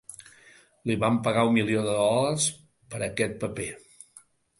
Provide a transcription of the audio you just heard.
Li van pagar un milió de dòlars per a aquest paper.